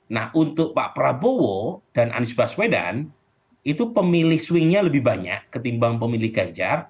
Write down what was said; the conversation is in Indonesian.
nah untuk pak prabowo dan anies baswedan itu pemilih swingnya lebih banyak ketimbang pemilih ganjar